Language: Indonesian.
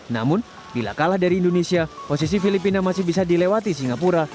namun bila kalah dari indonesia posisi filipina masih bisa dilewati singapura